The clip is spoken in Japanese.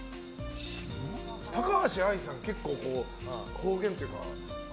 高橋愛さん、方言というか。